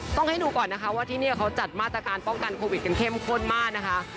ต้องให้ดูก่อนนะคะว่าที่นี่เขาจัดมาตรการป้องกันโควิดกันเข้มข้นมากนะคะ